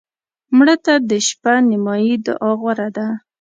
مړه ته د شپه نیمایي دعا غوره ده